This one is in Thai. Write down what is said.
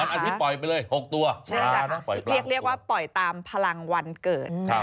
อาทิตยปล่อยไปเลย๖ตัวเรียกว่าปล่อยตามพลังวันเกิด